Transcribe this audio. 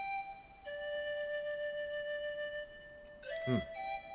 うん。